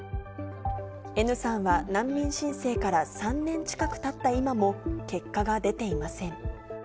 Ｎさんは難民申請から３年近くたった今も、結果が出ていません。